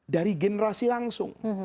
dari generasi langsung